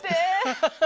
アハハハ！